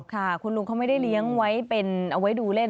ค่ะคุณลุงเขาไม่ได้เลี้ยงไว้เป็นเอาไว้ดูเล่น